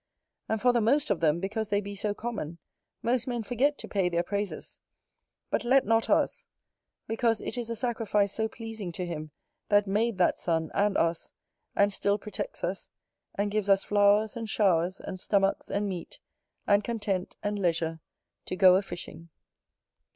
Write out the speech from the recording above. And for the most of them, because they be so common, most men forget to pay their praises: but let not us; because it is a sacrifice so pleasing to Him that made that sun and us, and still protects us, and gives us flowers, and showers, and stomachs, and meat, and content, and leisure to go a fishing.